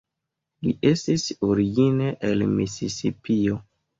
Li estis origine el Misisipio.